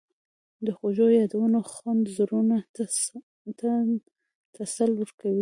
د خوږو یادونو خوند زړونو ته تسل ورکوي.